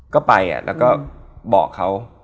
ก็ไปแล้วก็บอกเขา